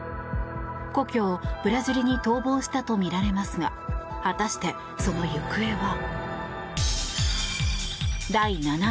故郷ブラジルに逃亡したとみられますが果たして、その行方は。